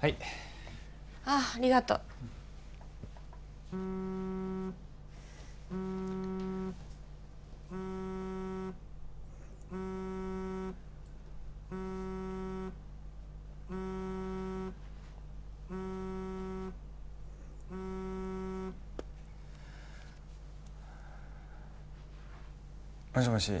はいああありがとうもしもし？